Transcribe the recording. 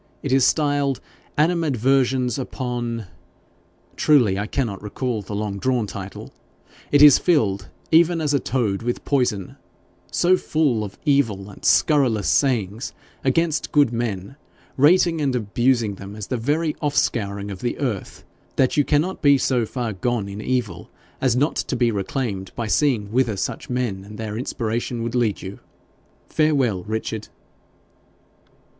It is styled "Animadversions upon ." Truly, I cannot recall the long drawn title. It is filled, even as a toad with poison, so full of evil and scurrilous sayings against good men, rating and abusing them as the very off scouring of the earth, that you cannot yet be so far gone in evil as not to be reclaimed by seeing whither such men and their inspiration would lead you. Farewell, Richard.'